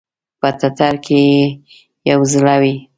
په ټټر کې ئې یو زړه وی